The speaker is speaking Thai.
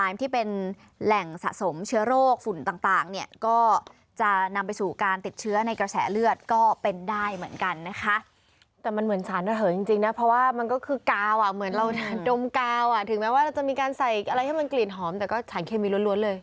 ว่าจะมีการใส่อะไรให้มันกลิ่นหอมแต่ก็สารเคมีล้วนเลย